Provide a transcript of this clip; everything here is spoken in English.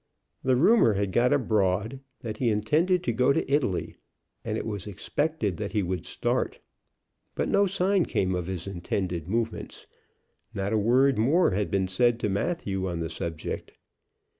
The rumor had got abroad that he intended to go to Italy, and it was expected that he would start, but no sign came of his intended movements; not a word more had been said to Matthew on the subject.